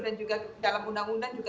dan juga dalam undang undang